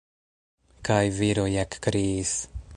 Kaj viroj ekkriis.